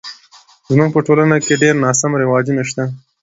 زموږ په ټولنه کې ډیر ناسم رواجونه شته